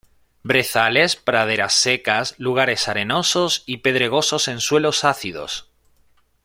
Brezales, praderas secas, lugares arenosos y pedregosos en suelos ácidos.